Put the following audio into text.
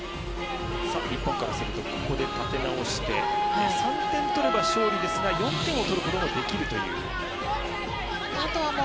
日本からするとここで立て直して３点取れば勝利ですが４点を取ることもできるという残り時間です。